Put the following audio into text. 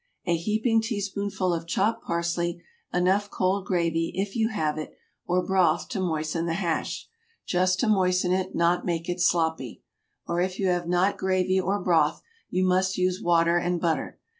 A heaping teaspoonful of chopped parsley, enough cold gravy, if you have it, or broth to moisten the hash, just to moisten it, not make it sloppy, or if you have not gravy or broth you must use water and butter.